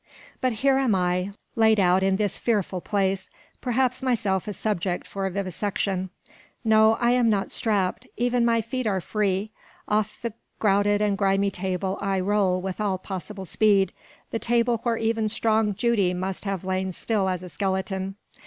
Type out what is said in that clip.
But here am I, laid out in this fearful place, perhaps myself a subject for vivisection. No, I am not strapped; even my feet are free. Off the grouted and grimy table I roll with all possible speed, the table where even strong Judy must have lain still as a skeleton.